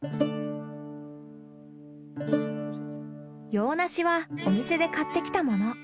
洋梨はお店で買ってきたもの。